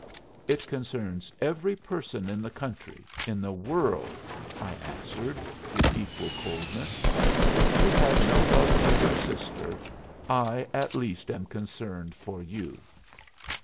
"It concerns every person in the country in the world," I answered, with equal coldness. "If you had no love for your sister I, at least, am concerned for you."